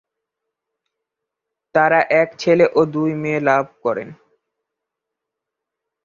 তারা এক ছেলে ও দুই মেয়ে লাভ করেন।